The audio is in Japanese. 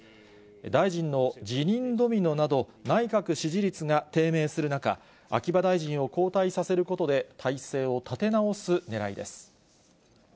大臣の辞任ドミノなど、内閣支持率が低迷する中、秋葉大臣を交代させることで、体制を立て直すねらいです。